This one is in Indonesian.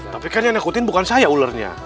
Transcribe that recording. tapi kan yang nakutin bukan saya ulernya